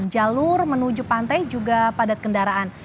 jalur menuju pantai juga padat kendaraan